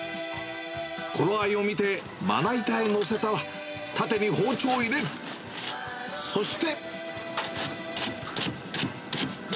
頃合いを見て、まな板へ載せたら、縦に包丁を入れ、そして。